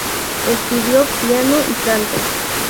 Estudió piano y canto.